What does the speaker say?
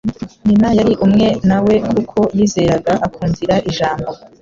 Nyina yari umwe na we kuko yizeraga, akumvira Ijambo